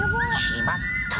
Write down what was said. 決まった！